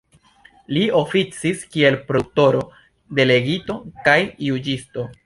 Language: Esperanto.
Li oficis kiel prokuroro, delegito kaj juĝisto.